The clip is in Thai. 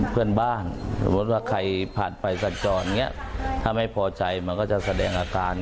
เพราะว่าเขาเอาไปซ่อน